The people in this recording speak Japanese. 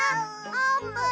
あーぷん。